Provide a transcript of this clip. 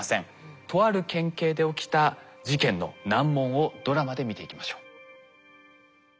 とある県警で起きた事件の難問をドラマで見ていきましょう。